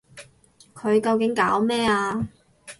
佢究竟搞咩啊？